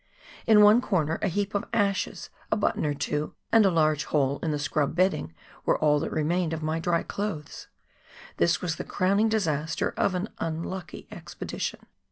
In one corner a heap of ashes, a button or two, and a large hole in the scrub beddiug, were all that remained of my dry clothes. This was the crowning disaster of an unlucky expedition.